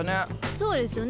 そうですよね